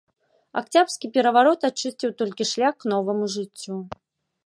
Акцябрскі пераварот ачысціў толькі шлях к новаму жыццю.